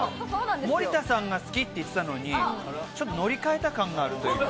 森田さんが好きって言ってたのに、ちょっと乗り換えた感があるというか。